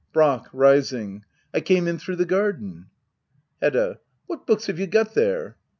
Brack. [Rising,'] I came in through the garden. Hedda. What books have you got there